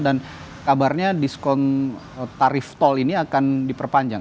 dan kabarnya diskon tarif tol ini akan diperpanjang